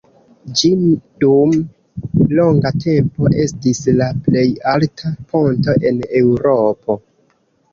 Ĝi dum longa tempo estis la plej alta ponto en Eŭropo.